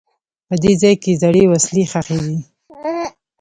په دې ځای کې زړې وسلې ښخي دي.